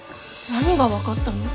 何が分かったの？